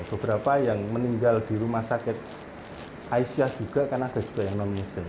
beberapa yang meninggal di rumah sakit aisyah juga karena ada juga yang non muslim